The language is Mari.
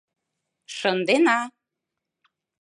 Шындена.